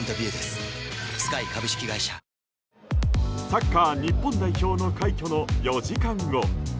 サッカー日本代表の快挙の４時間後。